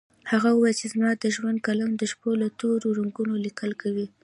هغې وويل چې زما د ژوند قلم د شپو له تورو رګونو ليکل کوي